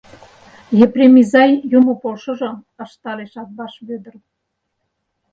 — Епрем изай, юмо полшыжо! — ышталеш Атбаш Вӧдыр.